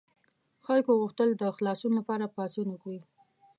خلکو غوښتل د خلاصون لپاره پاڅون وکړي.